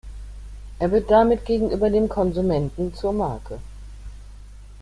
Er wird damit gegenüber dem Konsumenten zur Marke.